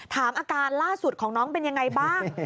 อาการล่าสุดของน้องเป็นยังไงบ้าง